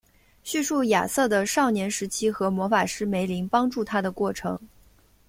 叙述亚瑟的少年时期和魔法师梅林帮助他的过程。